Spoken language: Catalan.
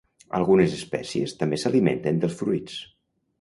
Algunes espècies també s'alimenten dels fruits.